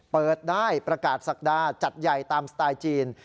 เปิดได้ประกาศศักดาจัดใหญ่ตามสไตล์จีน